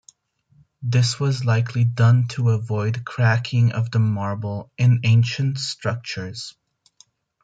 This was likely done to avoid cracking of the marble in ancient structures.